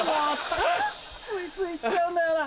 ついつい行っちゃうんだよな。